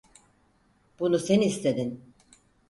Bunu sen istedin.